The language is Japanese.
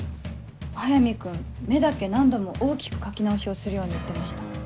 早見君目だけ何度も大きく描き直しをするように言ってました。